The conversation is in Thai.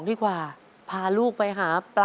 สวัสดีครับน้องเล่จากจังหวัดพิจิตรครับ